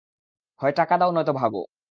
হয় টাকা দাও, নয়তো ভাগো।